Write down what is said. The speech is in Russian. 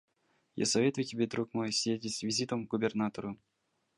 Я советую тебе, друг мой, съездить с визитом к губернатору.